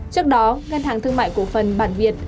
trước đó ngân hàng thương mại cổ phần bản việt